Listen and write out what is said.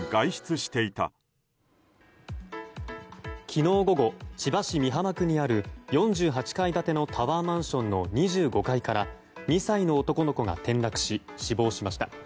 昨日午後千葉市美浜区にある４８階建てのタワーマンションの２５階から２歳の男の子が転落し死亡しました。